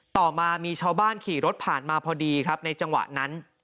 ต่อมามีชาวบ้านขี่รถผ่านมาพอดีครับในจังหวะนั้น